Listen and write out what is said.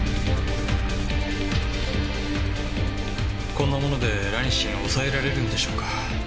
こんなものでラニシンを抑えられるんでしょうか？